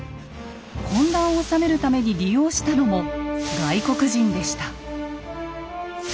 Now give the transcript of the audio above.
混乱をおさめるために利用したのも外国人でした。